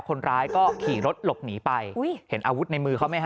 คนร้ายก็ขี่รถหลบหนีไปอุ้ยเห็นอาวุธในมือเขาไหมฮ